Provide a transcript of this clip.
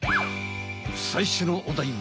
さいしょのお題は？